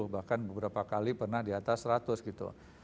bahkan beberapa kali pernah di atas seratus gitu